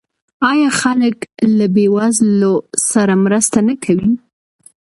آیا خلک له بې وزلو سره مرسته نه کوي؟